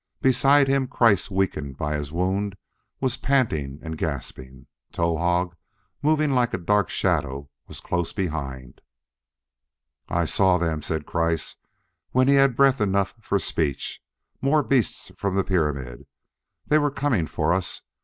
Beside him, Kreiss, weakened by his wound, was panting and gasping; Towahg, moving like a dark shadow, was close behind. "I saw them," said Kreiss, when he had breath enough for speech, " more beasts from the pyramid. They were coming for us!